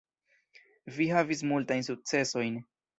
Vi havis multajn sukcesojn.